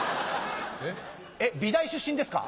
えっ美大出身ですか？